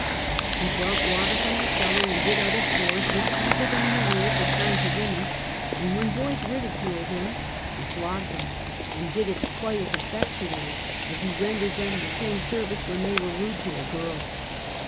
He brought water from the cellar, and did other chores which Pennsylvania rules assigned to women, and when boys ridiculed him, he flogged them, and did it quite as effectually as he rendered them the same service when they were rude to a girl.